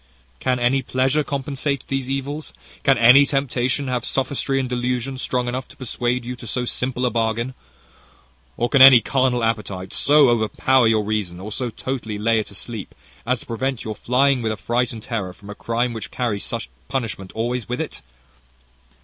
"Can any pleasure compensate these evils? Can any temptation have sophistry and delusion strong enough to persuade you to so simple a bargain? Or can any carnal appetite so overpower your reason, or so totally lay it asleep, as to prevent your flying with affright and terror from a crime which carries such punishment always with it?